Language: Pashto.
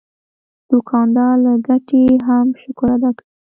دوکاندار له ګټې هم شکر ادا کوي.